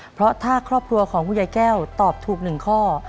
เพราะถ้าครอบครัวของคุณยายแก้วตอบถูก๑ข้อ